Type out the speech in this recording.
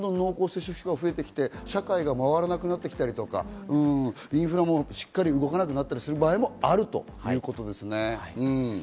そうなってくるとどんどん濃厚接触が増えて社会が回らなくなってきたりとか、インフラもしっかり動かなくなったりする場合もあるということですね。